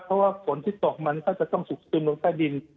เพราะว่าฝนที่ตกมันก็จะต้องสุกซึมลงใต้ดิน